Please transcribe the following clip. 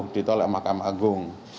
ditolak mahkamah agung